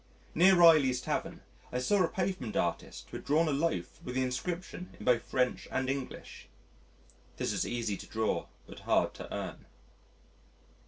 Near Reilly's Tavern, I saw a pavement artist who had drawn a loaf with the inscription in both French and English: "This is easy to draw but hard to earn."